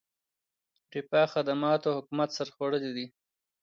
رفاه، خدماتو او حکومت سر خوړلی دی.